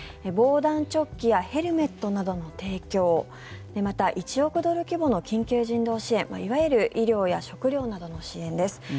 防弾チョッキやヘルメットなどの提供また１億ドル規模の緊急人道支援いわゆる医療や食料などの支援です。